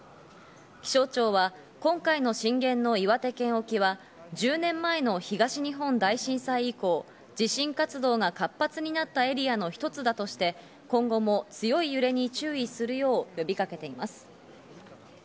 気象庁は今回の震源の岩手県沖は１０年前の東日本大震災以降、地震活動が活発になったエリアの一つだとして、今後も強い揺れに注意するよう呼びかけています。